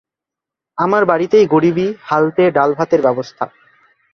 আমার বাড়িতেই গরিবি হালতে ডালভাতের ব্যবস্থা।